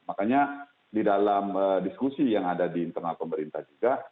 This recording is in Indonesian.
makanya di dalam diskusi yang ada di internal pemerintah juga